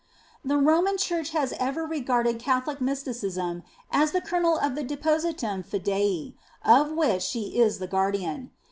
The Roman Church has ever regarded Catholic Mysti xxviii INTRODUCTION cism as the kernel of the Depositum Fidei of which she is the guardian.